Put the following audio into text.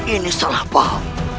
ini salah pao